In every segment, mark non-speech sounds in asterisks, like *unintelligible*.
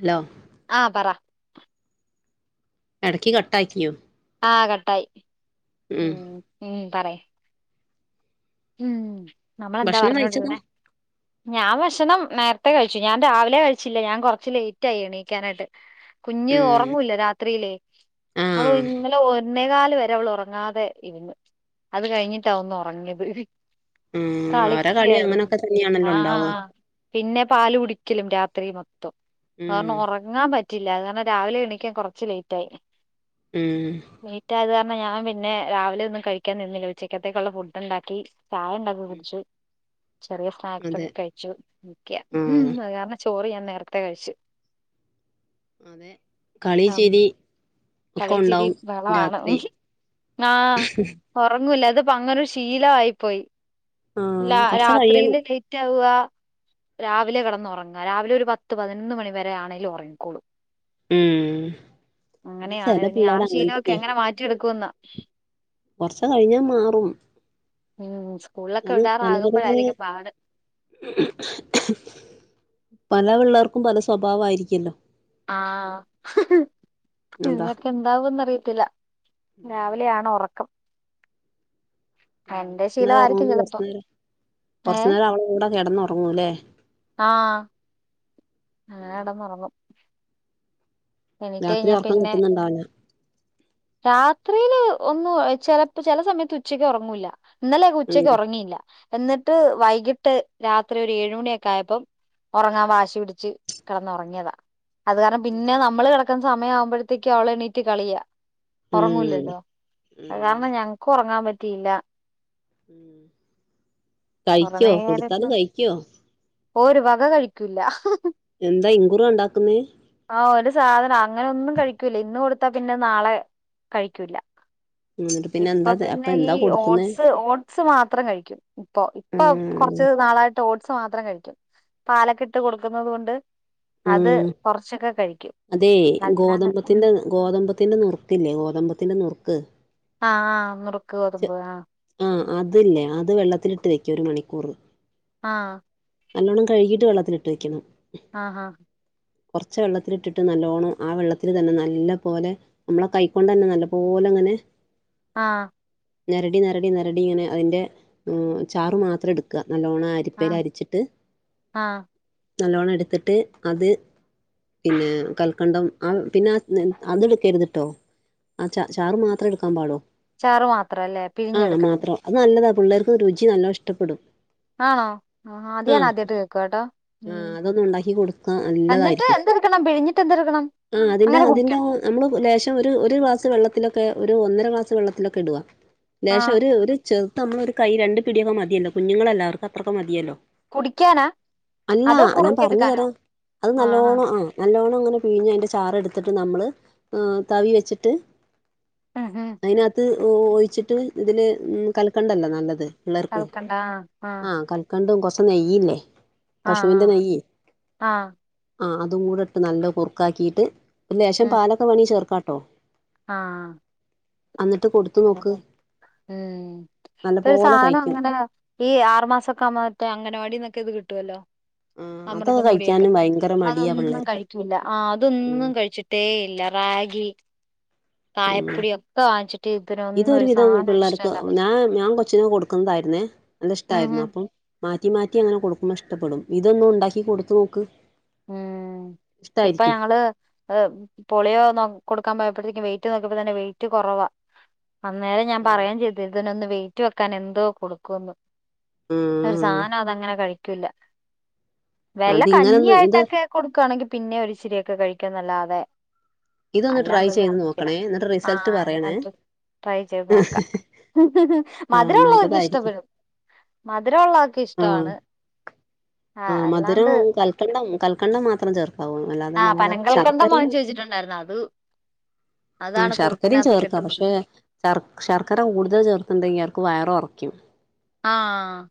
Hello ആ പറ. ഇടക്ക് കട്ടാക്കിയോ. ആകട്ടായി ഉം ഉം പറയ്. ഉം നമ്മളെന്താ ഭക്ഷണം കഴിച്ചതാ പറഞ്ഞോണ്ട്ന്നെ ഞാൻ ഭക്ഷണം. നേരത്തെ കഴിച്ചു ഞാൻ രാവിലെ കഴിച്ചില്ലേ ഞാൻ കൊറച്ച് ലേറ്റ് ആയി എണീക്കാനായിട്ട്. കുഞ്ഞ് ഉം ഉറങ്ങുല്ല രാത്രിയിലേ അവൾ ആഹ് ഇന്നെലെ. ഒന്നെകാല് വരെ അവള് ഉറങ്ങാതെ ഇര് ന്ന് അത് കഴിഞ്ഞിട്ടാ ഒന്ന് ഉറങ്ങിയത്. ഉം അവരെ കളി കളിക്കയായിരുന്നു അങ്ങനൊക്കെ തന്നെയാണല്ലോ ആ ആ ഉണ്ടാവ ആ പിന്നെ പാല് കുടിക്കലും രാ രാത്രി മൊത്തം ഉം കാരണം ഉറങ്ങാൻ പറ്റില്ല അത് കാരണം രാവിലെ എണിക്കാൻ കുറച്ച് ലേറ്റ ആയി. ഉം. ലേറ്റ് ആയത് ഞാൻ പിന്നെ രാവിലെ ഒന്നും കഴിക്കാൻ നിന്നില്ല ഉച്ചിക്കത്തേക്കുള്ള ഫുഡ് ഉണ്ടാക്കി. ചായ ഉണ്ടാക്കി ഉം കുടിച്ചു ചെറിയ സ്നാക്സ് അതെ ഒക്കെ കഴിച്ചു നിക്ക ഹും ആഹ് അത്‌ കാരണ ചോറ് ഞാൻ നേരത്തെ കഴിച്ചു. അതെ കളി ഉം, ചിരി. ഒക്കെ കളി ചിരി ഉണ്ടാവും ബഹളം ആണ് രാത്രി ഹും ആ കൊറ ഉറങ്ങുല്ല അത് പങ്ങനെ ഒരു ശീലമായി പോയി ആഹ് കൊറച്ച് കഴിയണം രാത്രിയില് ലേറ്റ് ആവുക. രാവിലെ കിടന്ന് ഉറങ്ങാ രാവിലെ ഒരു പത്ത് പതിനൊന്ന് മണി വരെ ആണെങ്കി ലും ഉറങ്ങിക്കോളൂ. ഉം അത് അങ്ങനെയാണ് ചെല ഇനി ആ പിള്ളേർ അങ്ങനെ ശീലമൊക്കെ എങ്ങനെ മാറ്റിെടുക്കുംന്ന. കൊറച്ച കഴിഞ്ഞാ മാറും. ഉം സ്കൂളൊക്കെ അത് പല പല വിടാറാകുമ്പോഴായിരിക്കും പാട്. പല പിള്ളേർക്കും പല സ്വഭാവ ആയിരിക്കല്ലോ... ആഹ.. അതാ ഇന്ന് ഇപ്പോ എന്താവുംന്ന് അറിയത്തില്ല രാവിലെയ ഉം. ആണ ഉറക്കം.. രാവിലെ എന്റെ കുറച്ചു നേരം ശീലമായിരിക്കും ഉറങ്ങു ചിലപ്പോ ന്നതോണ്ട് ഏ പ്രശ്നം ഇല്ലാ കുറച്ചു നേരം അവിടെ കിടന്ന് ഉറങ്ങൂല്ലേ... ആഹ കിടന്ന് ഇറങ്ങും.... രാത്രി കഴിഞ്ഞാ ഉർക്കം പിന്നെ കിട്ടുന്നുണ്ടാവില്ല... രാത്രിയില് ഒന്നും ചിലപ്പോ ചില സമയത്ത് ഉച്ചക്ക് ഉറങ്ങൂല്ല... ഇന്നലെ ഉം ഉച്ചക്ക് ഉറങ്ങിയില്ല എന്നിട്ട് വൈകിട്ട്... രാത്രി ഒരു ഏഴ മണിയൊക്കെ ആയപ്പം ഉറങ്ങാൻ വാശി പിടിച്ച് കിടന്ന ഉറങ്ങിയതാ... അത് കാരണം പിന്നെ നമ്മള് കിടക്കുന്ന സമയം ആവുമ്പോഴത്തേക്കും അവള് എണീറ്റ് കളിയാ.. ഉറങ്ങൂലല്ലോ ഉം അ കാരണം ഞങ്ങക്കും ഉറങ്ങാൻ പറ്റിയില്ല... ഉം കൊറേ കഴിക്കോ നേരം കൊടുത്താല് കഴിക്കോ.. ഭക്ഷണം കഴിക്കുലാ... എന്താ ഇൻകുറു ഇണ്ടാക്കുന്നേ.. ആ ഒരു സാധനം അങ്ങനെ ഒന്നും കഴിക്കൂല ഇന്ന് കൊടുത്താ പിന്നെ നാളെ കഴിക്കൂല്ല.. ഉം ഇപ്പൊ പിന്നെ ഈ ഓട്സ് ഓട്സ് മാത്രം കഴിക്കും ഇപ്പൊ ഇപ്പൊ ക്കെർ.. ഉം കുറച്ച് നാളായിട്ട് ഓട്സ് മാത്രം കഴിക്കും പാലക്കെ ഇട്ട് കൊടുക്കുന്നത് കൊണ്ട് ഉം അത്.. കൊറച്ചൊക്കെ കഴിക്കും അതെ അല്ലാണ്ട് ഉം. ഗോതമ്പത്തിൻന്റെ ഗോതമ്പ.. ഗോതമ്പത്തിന്റെ നൂർക്ക്ല്ലേ ഗോതമ്പത്തിന്റെ നൂർക്ക്.. ആഹ് ആ നുറുക്ക് ഗോതമ്പ് ആ.. അദ്ലേ അത് വെള്ളത്തിലിട്ട് വെക്കാ ഒരു മണിക്കൂർ.. ആഹ... നല്ലോണ്ണം കഴുകിട്ട് വെള്ളത്തിൽ ഇട്ട് വെക്കണം.. ആ ആ കുറച്ച വെള്ളത്തിലിട്ടിട്ട് നല്ലോണ്ണം ആ വെള്ളത്തിൽ തന്നെ നല്ല പോലെ നമ്മളെ കൈക്കൊണ്ട് തന്നെ നല്ല പോലെ.... അങ്ങനെ.. ആ ഞരടി ഞരടി ഞരടി ഇങ്ങനെ അതിന്റെ ചാറ്മാത്രം എടുക്ക നല്ലോണം ആ അരിപ്പയിൽ അരിച്ചിട്ട് ആ നല്ലോ ണം എടുത്തിട്ട് അത് പിന്നെ കൽക്കണ്ടം ആ ആ ച ചാറ് മാത്രം എടുക്കാൻ പാടോ ചാറ് മാത്രം അല്ലേ ആ പിഴിഞ്ഞെടുക്കാം മാത്രം അത് നല്ലതാ പിള്ളേർക്ക് രുചി നല്ലോ ആണോ അത് ആ ഞാൻ ആദ്യായിട്ട് കേൾക്കുവാ കേട്ടോ ആ ഉം അതൊന്നും ഉണ്ടാക്കി കൊടുക്ക നല്ലതായിരിക്കും എന്നിട്ട് എന്തെടുക്കണം പിഴിഞ്ഞിട്ട് എന്തെടുക്കണം ആ അതിന്റെ അങ്ങനെ അതിന്റെ കുടിക്കണം നമ്മള് ലേശം ഒരു ഗ്ലാസ് വെള്ളത്തിലക്കെ ഒ ഒരു ഒന്നര ക്ലാസ് വെള്ളത്തിലൊക്കെ ഇടുവാ ആ ചെറുത് നമ്മൾ ഒരു കൈ രണ്ട് പിടി കുടിക്കാനാ അല്ല അതോ ഞാൻ പറഞ്ഞു കുറുക്കിയെടുക്കാനോ തരാം അത് നല്ലോണം ആ നല്ലോണം അ പിഴി ഞ്ഞ്അതിന്റെ ചാറ എടുത്തിട്ട് നമ്മള് തവി വെച്ചിട്ട് ഉം ഉം അതിനകത്ത് ഒഴിച്ചിട്ട് ഇതില് കൽക്കണ്ടല്ലോ നല്ലത് പിള്ളേർക്ക് കലക്കണ്ട ആ ആ ആകൽക്കണ്ടം കൊറച് നെയ്യയില്ലേ ആ ആ ആ ആ അതും കൂടെ ഇട്ട് നല്ല കുറുക്കാക്കിയിട്ട് ഒരു ലേശം പാലൊക്കെ വേണങ്കി ചേർക്കാട്ടോ ആ കൊടുത്തു നോക്ക് ഉം ഇപ്പൊ ഒരു നല്ലപോലെ സാധനം കഴിക്കും അങ്ങനെ ഈ ആറുമാസംഒക്കെ ആവുമ്പോ അങ്ങനവാടി ആ അതൊക്കെ കഴിക്കാനും ഭയങ്കര മടിയാണ് അതൊന്നും പിള്ളേർക്ക് കഴിക്കൂല്ല ആ അതൊന്നും കഴിച്ചിട്ടേ ഇല്ല റാഗി കായപ്പടി ഒക്കെ വാങ്ങിച്ചിട്ട ഇതൊരു വിധം പിള്ളേർക്ക് ഞാൻ ഞാൻ കൊച്ചിനെ കൊടുക്കുന്നതായിുന്നേ നല്ല ഉം ഇഷ്ടായിരുന്നു ഉം അപ്പം മാറ്റി മാറ്റി അങ്ങനെ കൊടുക്കുമ്പോ ഇഷ്ടപ്പെടും ഇതൊന്നും ഉണ്ടാക്കി കൊടുത്തു നോക്ക് ഉം ഇപ്പൊ ഇഷ്ടായിരിക്കും ഞങ്ങള് പോളിയോ നോ കൊടുക്കാൻ പോ യപ്പോഴത്തേക്കും വെയ്റ്റ് നോക്കിയപ്പോ തന്നെ വെയ്റ്റ് കുറവ അന്നേരം ഞാൻ ആഹ് പറയേയും ചെയ്ത് അതിനൊന്ന് വെയിറ്റ് വെക്കാൻ എന്തോ കൊടുക്കുന്ന് ഒരു ഉം സാധനം അതങ്ങനെ കഴിക്ക ക്കൂല്ല വല്ല അതിങ്ങനൊന്ന് ഇത് കഞ്ഞിയായിട്ടൊക്കെ കൊടുക്കുവാണെങ്കിൽ ഇച്ചിരിയൊക്കെ കഴിക്കുന്നല്ലാതെ ഇതൊന്ന് ട്രൈ ചെയ്ത് നോക്കണേ എന്നിട്ട് റിസൾട്ട് ആഹ് പറയണേ അല്ലാണ്ട് ട്രൈ ചെയ്ത് നോക്കാ ആഹ് മധുരം ഉള്ളതൊക്കെ നല്ലതായിരിക്കും ഇഷ്ടപ്പെടും മധുരം ഉള്ളൊക്കെ ഇഷ്ടാണ് ആ മധുരം കൽക്കണ്ടം കൽക്കണ്ടം മാത്രം ചേർ ക്കാവു അല്ലാതെ ആഹ് നമ്മള് പനങ്കൽക്കണ്ടം ശർക്കരയും വാങ്ങിച്ചു വെച്ചിട്ടുണ്ടായിരുന്നു അത് ആ അതാണ് ശർക്കരയും കുറുക്കിനകത്തൊക്കെ ചേർക്കാം ഇട്ട് പക്ഷെ ശർ ശർക്കര കൂടുതൽ ചേർത്തുണ്ടെങ്കിൽ അവർക്ക് വയറ് കൊറ ക്കും ആ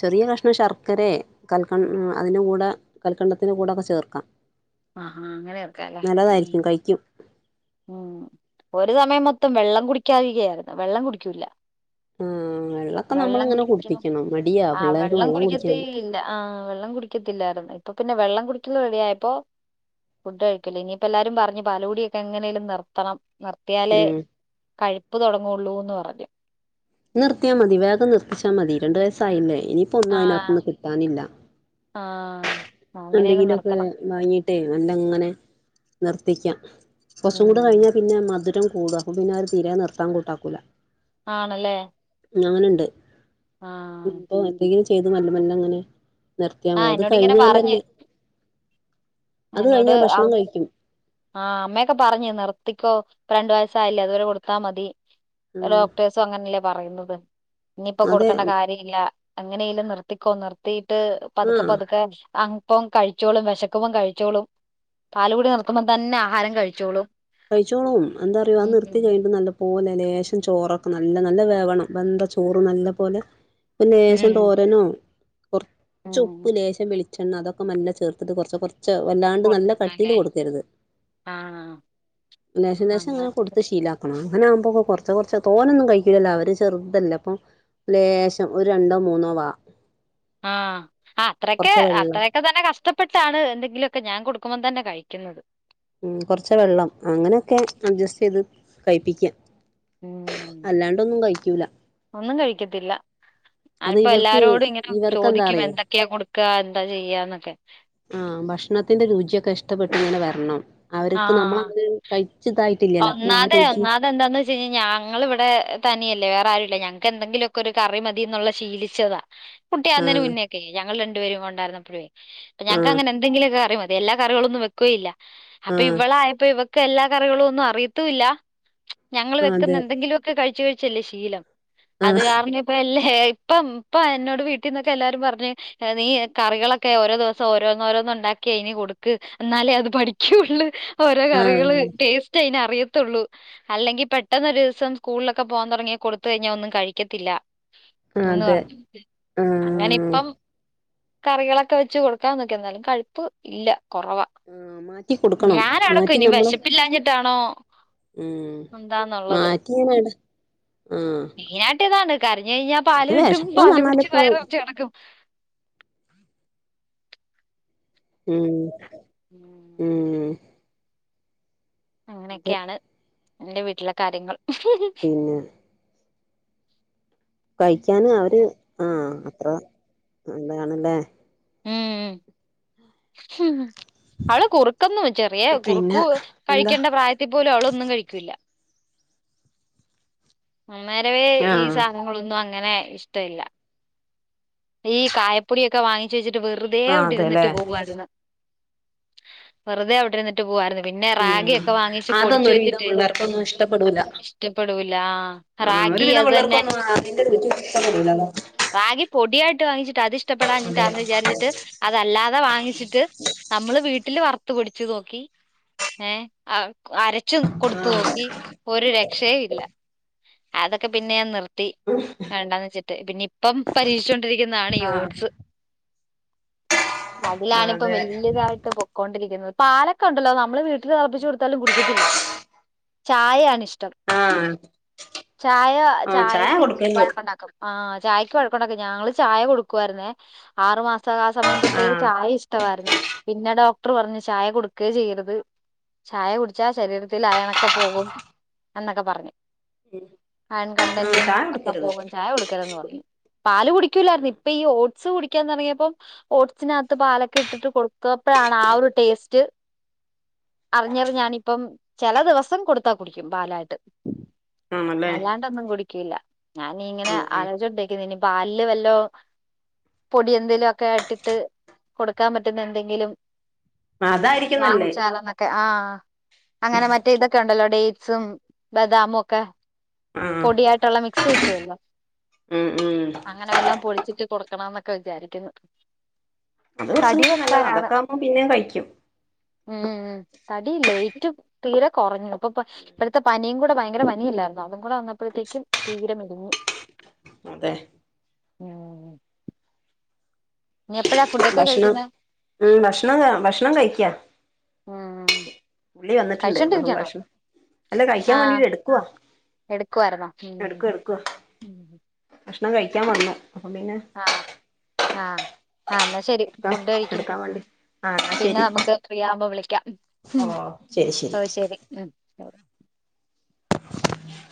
ചെറിയ കഷ്ണം ശർക്കരെ കൽക്ക അതിന്റെ കൂടെ കൽക്കണ്ടത്തിന്റെ കൂടെ ഒക്കെ ചേർക്കാം ആ ആ അങ്ങനെ ചേർക്കല്ലെ ഉം നല്ലതായിരിക്കും കഴിക്കും ഉം ഒരു സമയം മൊത്തം വെള്ളം കുടിക്കാവുകയായിരുന്നു വെള്ളം കുടിക്കൂല്ല ആ വെള്ളം കുടിക്കണം ആഹ് പിള്ളേർക്ക് വെള്ളം കുടിക്കത്തേ കുടിക്കാൻ ഇല്ല ആ വെള്ളം കുടിക്കത്തില്ലായിരുന്നു ഇപ്പം പിന്നെ വെള്ളം കുടിക്കല് റെഡിയായപ്പോ ഫുഡ് കഴിക്കല് ഇനിയിപ്പ എല്ലാരും പറഞ്ഞു പാല് കൂടിയൊക്കെ എങ്ങനേലും നിർത്തണം നിർത്തിയാലേ ഉം കഴിപ്പ് തുടങ്ങുള്ളൂന്ന് പറഞ്ഞു നിർത്തിയാ മതി വേഗം നിർത്തിച്ചാ മതി രണ്ടു വയസ്സായില്ലേ ഇനിയിപ്പോ ഒന്നും അതിനകത്തുനിന്ന് കിട്ടാനില്ല ആ എന്തെങ്കിലുമൊക്കെ വാങ്ങിട്ടേ മെല്ലങ്ങനെ നിർത്തിക്കാം കുറച്ചും കൂടെ ഉം കഴിഞ്ഞാൽ പിന്നെ മധുരം കൂടും അപ്പൊ പിന്നെ അവര് തിരെ നിർത്താൻ കൂട്ടാക്കൂല ആണല്ലേ അങ്ങനുണ്ട് ആഹ് ഇപ്പൊ എന്തെങ്കിലും ചെയ്ത് മെല്ലെ മെല്ലെ അങ്ങനെ നിർത്തിയാ മതി ആഹ് അത് എന്നോട് ഇങ്ങനെ കഴിഞ്ഞാൽന്നെ പറഞ്ഞ് എന്നോട് കഴിഞ്ഞാൽ ആ ഭക്ഷണം കഴിക്കും ആ അമ്മയൊക്കെ പറഞ്ഞ് നിർ ത്തിക്കോ ഇപ്പ രണ്ട് വയസ്സ് ആയില്ലേ അതുവരെ കൊടുത്താ മതി ഉം ഡോക്ടേഴ്സും അങ്ങനെല്ലേ പറയുന്നത്. ഇനിയിപ്പോ അതെ കൊടുക്കേണ്ട കാര്യം ഇല്ല എങ്ങനെലും നിർത്തിക്കോ നിർത്തി ട്ട് പതുക്കെ ആഹ് പതുക്കെ അപ്പം കഴിച്ചോളും വിശക്കുമ്പം കഴി ച്ചോളും പാല് കുടി നിർത്തുമ്പോ തന്നെ ആഹാരം കഴിച്ചോളും. കഴിച്ചോളും എന്താറിയോ ഉം അത് നിർത്തി കഴിയുമ്പം നല്ല പോലെ ലേശം ചോറൊക്കെ നല്ല നല്ല വേവണം വെന്ത ചോറ് നല്ല പോലെ പിന്നെ ലേശം ഉം തോരനോ കുറച്ച് ഉം ഉപ്പ് ലേശം വെളിച്ചെണ്ണ അതൊക്കെ നല്ല ചേർത്തിട്ട് കുറച്ച് കുറ ച്ച്‌ വല്ലാണ്ട് നല്ല കട്ടിയില് കൊടുക്കണല്ലേ കൊടുക്കരുത്. ആഹ് ലേശം ലേശം അങ്ങനെ കൊടുത്ത് ശീലാക്കണം. അങ്ങനെകുമ്പോക്കെ കുറച്ചേ കുറച്ചേ തോനൊന്നും കഴിക്കില്ലല്ലോ അവര് ചെറുതല്ലേ അപ്പൊ ലേശം ഒരു രണ്ടോ മൂന്നോ വാ ആ അത്രക്കെ കുറച്ച് വെള്ളം അത്രക്കെ തന്നെ കഷ്ടപ്പെട്ടാണ് എന്തെങ്കിലുക്കെ ഞാൻ കൊടുക് ക്കുമ്പം തന്നെ കഴിക്കുന്നത് ഉം കൊറച്ച് വെള്ളം അങ്ങനെയൊക്കെ അഡ്ജസ്റ്റ് ചെയ്ത് കഴിപ്പിക്കാ ഉം ഒന്നും കഴിക്കത്തില്ല അത് അയ്നിപ്പം ഇവർക്ക് എല്ലാരോടും ഇങ്ങനെ ഇവർക്ക് എന്താ ചോദിക്കും അറിയോ എന്തൊക്കെയാ കൊടുക്കുക എന്താ ചെയ്യാന്നൊക്കെ. ആ ഭക്ഷണത്തിന്റെ രുചിയൊക്കെ ഇഷ്ടപ്പെട്ട് ഇങ്ങനെ വരണം അവർക്ക് ആഹ് നമ്മളങ്ങനെ കഴിച്ചിതായിട്ടില്ലല്ലോ അപ്പം ആ ഒന്നാതെ രുചി ഒന്നാതെ എന്താന്ന് വെച്ച് കഴിഞ്ഞാ ഞങ്ങൾ ഇവിടെ തനിയെ ല്ലെ വേറെ ആരുല്ല ഞങ്ങക്ക് എന്തെങ്കിലൊക്കെ ഒരു കറി മതി ന്നുള്ളത് ശീലിച്ചതാ കുട്ടിയാകുന്നതിന് ആഹ് മുന്നേക്കെ ഞങ്ങൾ രണ്ടുപേരും ഒണ്ടാരുന്നപ്പഴേ ആഹ് ഞങ്ങക്കങ്ങനെ എന്തെങ്കിലൊക്കെ കറി മതി. എല്ലാ കറികളൊന്നും വെക്കുവേല്ല അപ്പൊ ആഹ് ഇവളായപ്പോ ഇവക് പ്പ എല്ലാ കറികളും ഒന്നും അറിയത്തുല്ല ഞങ്ങൾ വെക്കുന്ന അതെ എന്തെങ്കിലൊക്കെ കഴിച്ചു കഴിച്ചല്ലേ ശീലം. അത് ആഹ് കാരണം ഇപ്പ എല്ലേ ഏ ഇപ്പം ഇപ്പം എന്നോട് വീട്ടിന്നൊക്കെ എല്ലാരും പറഞ് നീ കറികളൊക്കെ ഓരോ ദിവസം ഓരോന്നോരോ ന്ന് ഒണ്ടാക്കി അതിന് കൊടുക്ക് എന്നാലേ അത് പഠിക്കുള്ളു ഓരോ ആഹ് കറികള് ടേസ്റ്റ് അയ്നറിയ ത്തുള്ളൂ അല്ലെങ്കിൽ പെട്ടെന്നൊരു ദിവസം സ്കൂളിലൊക്കെ പോകാൻ തൊടങ്ങിയ കൊടുത്ത് കഴിഞ്ഞാ ഒന്നും കഴിക്കത്തില്ല. ന്ന് അതെ പറഞ്ഞു അങ്ങനെ ആഹ് ഇപ്പം കറികളൊക്കെ വെച്ച് കൊടുക്കാന്നോക്കി എന്നാലും കഴിപ്പ് ഇല്ല. കുറവാ *unintelligible* ഞാൻ അടക്കം മാറ്റി ഇനി നമ്മള് വെശപ്പില്ലാഞ്ഞിട്ടാണോ ഉം *unintelligible* ആഹ് മെയിനായിട്ട് താണ് കരഞ്ഞ് കഴിഞ്ഞാൽ പാല് അത് കിട്ടും വിശപ്പ്ന്ന് പാല്‌ കുടിച്ച് പറഞ്ഞാലിപ്പോ വയറ് നിറച്ച് കെടക്കും. ഉം ഉം അതെ അങ്ങനെയൊക്കെയാണ് എന്റെ വീട്ടിലെ കാര്യങ്ങൾ പിന്നെ കഴിക്കാന് അവര് ആ അത്ര നല്ലതാണല്ലേ ഉം അവള് കുറുക്കൊന്നും ചെറിയ പിന്നെ കുറുക്കു എന്താ കഴിക്കേണ്ട പ്രായത്തിൽ പോലും അവളൊന്നും കഴിക്കൂല്ല. അന്നേരവേ ഈ ആഹ് സാധനങ്ങളൊന്നും അങ്ങനെ ഇഷ്ട വില്ല. ഈ കായപ്പൊടിയൊക്കെ വാങ്ങിച്ച് വെച്ചിട്ട് വെറുതെ ആഹ് അവിടെ അതെല്ലേ ഇരുന്നിട്ട് പോകുവായിരുന്നു. വെറുതെ അവിടെരിന്നിട്ട് പോവായിരുന്നു. പിന്നെ ഉം റാഗിയക്കെ വാങ്ങിച്ച് അതൊന്നും പൊടിച്ച് ഒരു വിധം വെച്ചിട്ട് പിള്ളേർക്കൊന്നും ഇഷ്ടപ്പെടൂല ഇഷ്ടപ്പെടൂല്ല റാ ഒരു വിധം പിള്ളേർക്കൊന്നും അതിന്റെ രുചി ഇഷ്ട്ടപ്പെടൂല്ലല്ലോ. റാഗി പൊടിയായിട്ട് വാങ്ങിച്ചിട്ട് അത് ഇഷ്ടപ്പെടാഞ്ഞിട്ട് അതെ ആന്ന് വിചാരിച്ചിട്ട് അതല്ലാതെ വാങ്ങിച്ചിട്ട് നമ്മള് വീട്ടില് വറുത്തുപൊടിച്ചു നോക്കി ഏ അരച്ചു കൊടുത്തു ആഹ് നോക്കി ഒരു രക്ഷയയും ഇല്ല അതൊക്കെ പിന്നെ ഞാൻ നിർത്തി ത്തി വോണ്ടാന്ന് വെച്ചിട്ട് പിന്നെ ഇപ്പം പരീക്ഷിച്ചോണ്ടിരിക്കുന്നതാണ് ഈ ആഹ് ഓഡ്സ് അതിലാണിപ്പം അതെ വല്യതായിട്ട് പൊക്കൊണ്ടിരിക്കുന്നത് പാലൊക്കെണ്ടല്ലോ നമ്മള് വീട്ടില് തിളപ്പിച്ചു കൊടുത്താലും കുടിക്കത്തില്ല ചായയാണ് ഇഷ് ടം ആഹ് ചായ ആഹ് ചായ ചായക്ക് കൊടുക്കല് വഴക്കൊണ്ടാക്കും ആ ചായക്ക് വഴക്കൊണ്ടാക്കും ഞങ്ങള് ചായ കൊടുക്കായിരുന്നേ ആറുമാസക സമയം തൊട്ടേ ആഹ് ചായ ഇഷ്ടമായിരുന്നു പിന്നെ ഡോക്ടർ പറഞ്ഞു ചായ കൊടുക്കെ ചെയ്യരുത് ചായ കുടിച്ചാ ശരീരത്തിൽ അയണൊക്കെ പോകും എന്നൊക്കെ പറഞ്ഞു അയെൺ ഉം കണ്ടന്റും ചായ ക്കെ കുടിക്കരുത് പോകും ചായ കൊടുക്കരുതെന്ന് പറഞ്ഞു പാൽ കുടിക്കൂലായിരുന്നു ഇപ്പ ഈ ഓഡ് ഓട്സ് കുടിക്കാൻ തൊടങ്ങിയപ്പം ഓട്സിനകത്ത് പാലൊക്കെ ഇട്ടിട്ട് കൊടുത്തപ്പോഴാണ് ആ ഒരു ടേസ്റ്റ് അറിഞ്ഞറിഞാനിപ്പം ചെല ദിവസം കൊടുത്താ കുടിക്കും പാലായിട്ട് ആണല്ലേ അല്ലാണ്ടൊന്നും കുടിക്കൂല്ല ഞാനീങ്ങനെ ഉം ഉം ആലോചണ്ട് ഇ പാലിൽവല്ലോ പൊടി എന്തേലൊക്കെ ഇട്ടിട്ട് കൊടുക്കാൻ പറ്റുന്ന എന്തെങ്കിലും അതായിരിക്കും നല്ലേ വാങ്ങിച്ചാലെന്നൊക്കെ ആ അങ്ങനെ മറ്റേ ഇതൊക്കെ ഉണ്ടല്ലോ ഡേയ് സും ബദാമും ഒക്കെ ആഹ് പൊടിയായിട്ടുള്ള മിക്സ് കിട്ടുല്ലോ ഉം ഉം അങ്ങനെ എല്ലാം പൊളിച്ചിട്ട് കൊടുക്കണം ന്നൊക്കെ വിചാരിക്കുന്നു അത് കുറച്ചും തടി കൂടി നല്ലതാ വെക്കാനാണ് അതൊക്കെ ആകുമ്പോം പിന്നെ കയ്ക്കും ഉം തടിയില്ല വെയ്റ്റും തീരെ കൊറഞ്ഞു അപ്പൊ ഇപ്പഴത്തെ പനിയും കൂടെ ഭയങ്കര പനി ല്ലായിരുന്നോ അതുകൂടെവന്നപ്പോഴത്തേക്കും തീരെ മെലിഞ്ഞു അതെ ഉം എപ്പഴാ ഫുഡൊക്കെ ഭക്ഷണം കഴിക്കുന്നെ ഉം ഭക്ഷണം ഭക്ഷണം കഴിക്കാ ആഹ പുള്ളി വന്നിട്ടുണ്ട് ഭക്ഷണം അല്ല കഴിക്കാൻ വേണ്ടീട്ട് എടുക്കുവാ എടുക്കുവാർന്നോ എടുക്കുവാ എടുക്കുവാ ഭക്ഷണം കഴിക്കാൻ വന്നു അപ്പൊ പിന്നെ ആഹ ആ എന്നാ ശരി എടുക്കാം ഫുഡ് കഴിക്കി എടുക്കാൻ വേണ്ടി ആഹ് എന്നാ പിന്നെ ശരി നമുക്ക് ഫ്രീ ആവുമ്പോ വിളിക്കാം ഓ ശരി ശരി ഓ ശെരി *unintelligible*